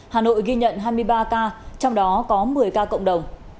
hà nội ghi nhận hai mươi ba ca trong đó có một mươi ca cộng đồng